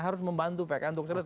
harus membantu pks untuk serius